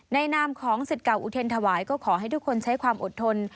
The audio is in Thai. นามของสิทธิ์เก่าอุเทรนถวายก็ขอให้ทุกคนใช้ความอดทน